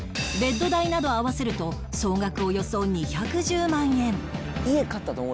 ベッド代など合わせると総額およそ２１０万円